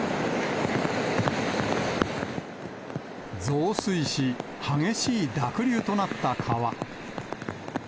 増水し、激しい濁流となった川。